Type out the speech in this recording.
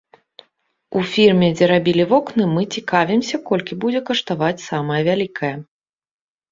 У фірме, дзе рабілі вокны, мы цікавімся, колькі будзе каштаваць самая вялікае.